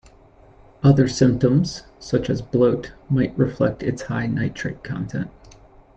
Other symptoms, such as bloat, might reflect its high nitrate content.